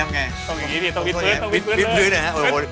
สวัสดีครับ